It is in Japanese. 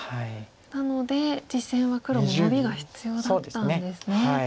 なので実戦は黒もノビが必要だったんですね。